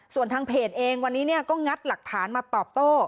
ส่วนทางเพจเองวันนี้ก็งัดหลักฐานมาตอบโต้